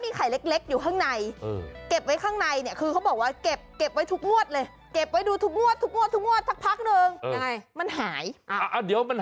มันเป็นคนละซ้อนกันเนอะไม่ต้อง